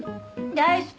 大好き。